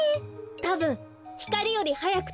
たぶんひかりよりはやくとべば。